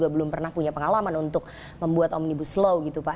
belum pernah punya pengalaman untuk membuat omnibus law gitu pak